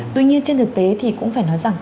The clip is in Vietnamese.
tuy nhiên trên thực tế thì cũng phải nói rằng